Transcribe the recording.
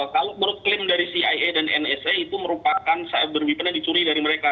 kalau menurut klaim dari cia dan nsa itu merupakan cyber weapon yang dicuri dari mereka